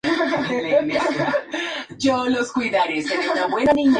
Estos procesos son administradas por el gobierno, corporaciones o fundaciones.